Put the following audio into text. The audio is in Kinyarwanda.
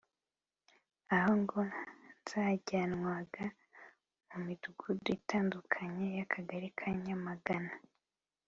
aho ngo zajyanwaga mu midugudu itandukanye y’Akagari ka Nyamagana